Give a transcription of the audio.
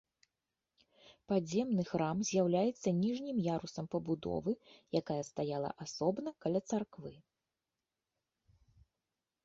Падземны храм з'яўляецца ніжнім ярусам пабудовы, якая стаяла асобна каля царквы.